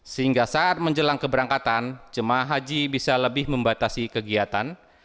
sehingga saat menjelang keberangkatan jemaah haji bisa lebih membatasi kegiatan